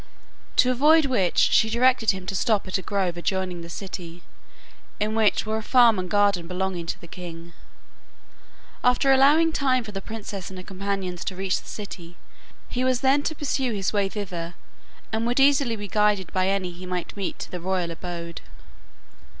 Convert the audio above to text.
To avoid which she directed him to stop at a grove adjoining the city, in which were a farm and garden belonging to the king. After allowing time for the princess and her companions to reach the city, he was then to pursue his way thither, and would be easily guided by any he might meet to the royal abode.